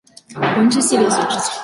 魂之系列所制作。